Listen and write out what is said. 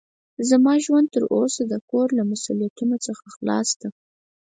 زما ژوند تر اوسه د کور له مسوؤليتونو څخه خلاص ده.